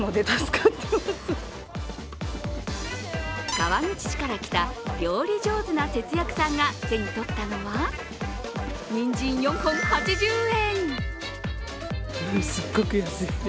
川口市から来た料理上手な節約さんが手にとったのはにんじん４本８０円！